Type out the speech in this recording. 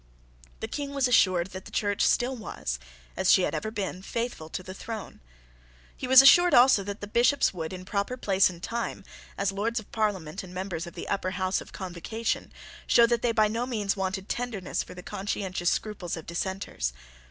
The King was assured that the Church still was, as she had ever been, faithful to the throne. He was assured also that the Bishops would, in proper place and time, as Lords of Parliament and members of the Upper House of Convocation, show that they by no means wanted tenderness for the conscientious scruples of Dissenters.